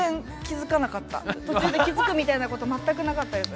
途中で気付くみたいなこと全くなかったです。